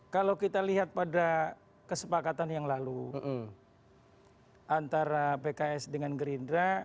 kalau kita lihat pada kesepakatan yang lalu antara pks dengan gerindra